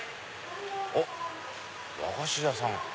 おっ和菓子屋さん。